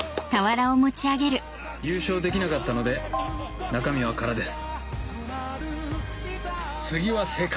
優勝できなかったので中身は空です